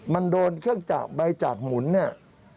มันโดนเครื่องจักรใบจากหมุนเนี่ย